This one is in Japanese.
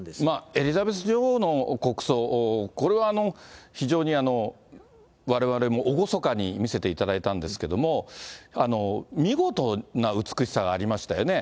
エリザベス女王の国葬、これは非常にわれわれも厳かに見せていただいたんですけれども、見事な美しさがありましたよね。